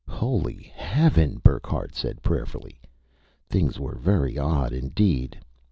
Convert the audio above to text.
"Holy heaven!" Burckhardt said prayerfully. Things were very odd indeed.